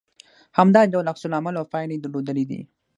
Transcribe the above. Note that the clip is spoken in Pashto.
همدا ډول عکس العمل او پايلې يې درلودلې دي